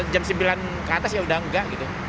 jam sembilan ke atas ya udah enggak gitu